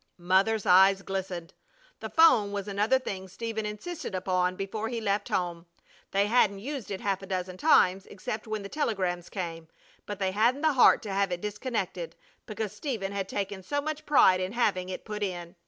Mother's eyes glistened. The 'phone was another thing Stephen insisted upon before he left home. They hadn't used it half a dozen times except when the telegrams came, but they hadn't the heart to have it disconnected, because Stephen had taken so much pride in having it put in.